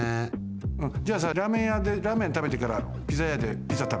じゃあさラーメンやでラーメンたべてからピザやでピザたべよ！